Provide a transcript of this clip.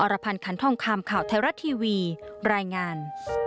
รพันธ์ขันทองคำข่าวไทยรัฐทีวีรายงาน